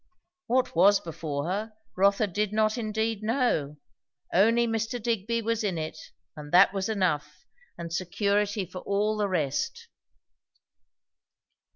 What was before her, Rotha did not indeed know; only Mr. Digby was in it, and that was enough, and security for all the rest.